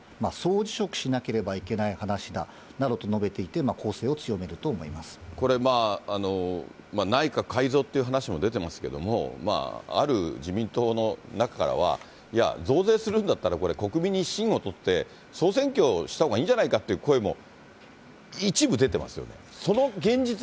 本来であれば総辞職しなければいけない話だなどと述べていて、攻これ、内閣改造っていう話も出てますけれども、ある自民党の中からは、いや、増税するんだったら、これ、国民に信を問うて、総選挙したほうがいいんじゃないかという声も一部出てますよね。